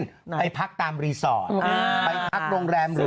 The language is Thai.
ไปพักตามรีสอร์ทไปพักโรงแรมหรือ